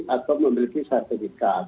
atau memiliki sertifikat